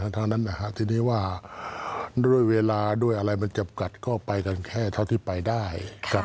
ทั้งนั้นทีนี้ว่าด้วยเวลาด้วยอะไรมันจำกัดก็ไปกันแค่เท่าที่ไปได้